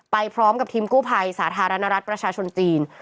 ไปพร้อมกับทีมกู้ภัยสาธารณรัฐประชาชนจีน